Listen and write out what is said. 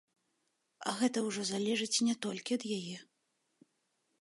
Гэта ўжо залежыць не толькі ад яе.